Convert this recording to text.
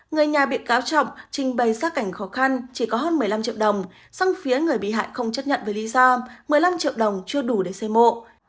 người nhà bị cáo trọng trình bày xác cảnh khó khăn chỉ có hơn một mươi năm triệu đồng song phía người bị hại không chấp nhận với lý do một mươi năm triệu đồng chưa đủ để xây mộ